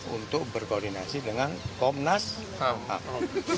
untuk berkoordinasi dengan komnas ham